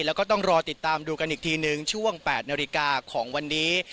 แล้วก็ต้องรอติดตามดูกันอีกทีนึงช่วง๘นาฬิกาของวันนี้